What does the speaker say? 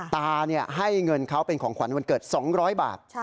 ตาให้เงินเขาเป็นของขวัญวันเกิด๒๐๐บาท